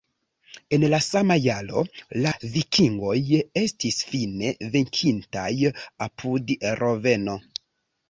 En la sama jaro, la vikingoj estis fine venkitaj apud Loveno.